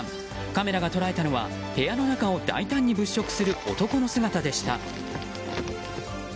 カメラが捉えたのは部屋の中を大胆に物色する男の姿でした。